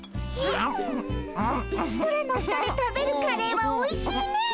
空の下で食べるカレーはおいしいねえ。